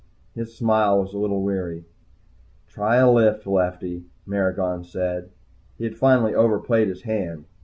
His smile was a little weary. "Try a lift, Lefty," Maragon said. He had finally overplayed his hand.